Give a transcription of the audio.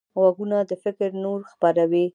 غوږونه د فکر نور خپروي